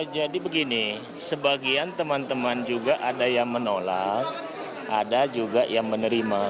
jadi begini sebagian teman teman juga ada yang menolak ada juga yang menerima